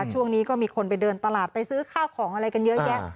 ช่วงนี้ก็มีคนไปเดินตลาดไปซื้อข้าวของอะไรกันเยอะแยะ